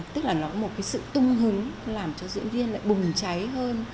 tức là nó một cái sự tung hứng làm cho diễn viên lại bùng cháy hơn